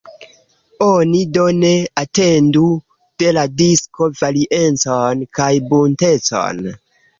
Oni do ne atendu de la disko variecon kaj buntecon.